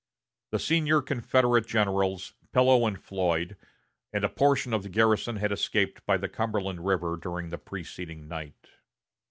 The senior Confederate generals, Pillow and Floyd, and a portion of the garrison had escaped by the Cumberland River during the preceding night.